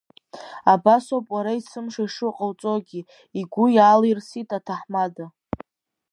Абас ауп уара есымша ишыҟауҵогьы, игәы иаалирсит аҭамада.